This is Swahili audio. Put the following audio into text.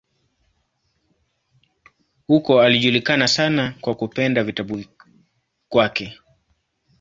Huko alijulikana sana kwa kupenda vitabu kwake.